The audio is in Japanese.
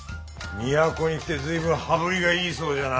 都に来て随分羽振りがいいそうじゃな。